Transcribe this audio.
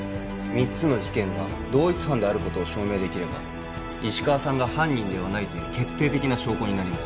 ３つの事件が同一犯であることを証明できれば石川さんが犯人ではないという決定的な証拠になります